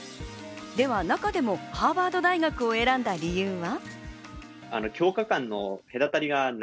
では、中でもハーバード大学を選んだ理由は？